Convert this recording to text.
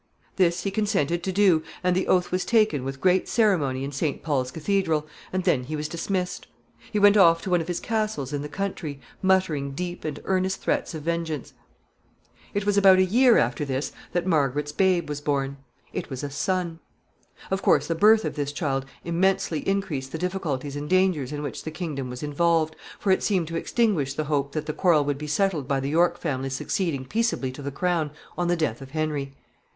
This he consented to do, and the oath was taken with great ceremony in St. Paul's Cathedral, and then he was dismissed. He went off to one of his castles in the country, muttering deep and earnest threats of vengeance. [Sidenote: Birth of the prince.] It was about a year after this that Margaret's babe was born. It was a son. [Sidenote: Question of the succession.] [Sidenote: New difficulties.] Of course, the birth of this child immensely increased the difficulties and dangers in which the kingdom was involved, for it seemed to extinguish the hope that the quarrel would be settled by the York family succeeding peaceably to the crown on the death of Henry.